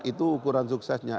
itu ukuran suksesnya